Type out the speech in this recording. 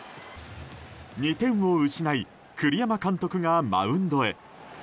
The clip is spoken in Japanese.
２点を失い栗山監督がマウンドへ。